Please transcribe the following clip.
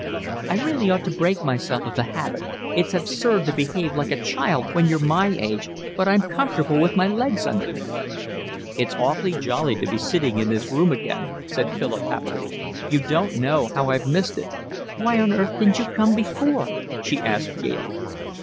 "I really ought to break myself of the habit. It's absurd to behave like a child when you're my age, but I'm comfortable with my legs under me." "It's awfully jolly to be sitting in this room again," said Philip happily. "You don't know how I've missed it." "Why on earth didn't you come before?" she asked gaily.